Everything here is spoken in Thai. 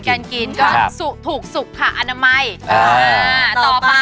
อาหารการกินก็ถูกค่ะอนามัย